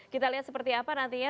kita lihat seperti apa nantinya